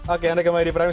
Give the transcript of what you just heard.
oke anda kembali di primus